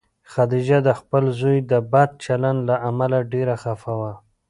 خدیجه د خپل زوی د بد چلند له امله ډېره خفه وه.